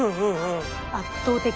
圧倒的に。